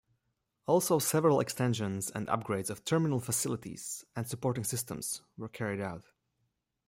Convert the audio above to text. Also several extensions and upgrades of terminal facilities and supporting systems were carried out.